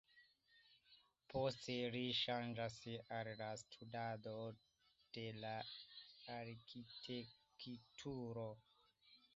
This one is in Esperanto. Poste li ŝanĝas al la studado de la Arkitekturo.